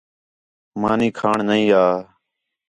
مانی کھاݨ نہیں آ